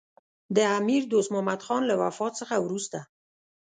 د امیر دوست محمدخان له وفات څخه وروسته.